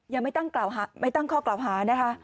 ยังไม่ตั้งกล่าวหาไม่ตั้งข้อกล่าวหานะคะ